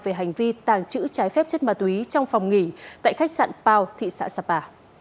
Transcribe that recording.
về hành vi tàng trữ trái phép chất ma túy trong phòng nghỉ tại khách sạn pao thị xã sapa